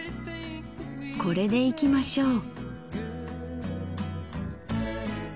これでいきましょう。